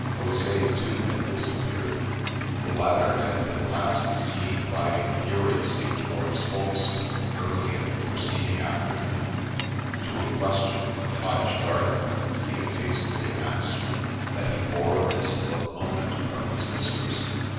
Jose, too, had disappeared ; the latter had been last seen riding furiously towards Folkestone early in the preceding after noon ; to a question from Hodge Gardener he had hastily answered, that he bore a missive of moment from his mistress.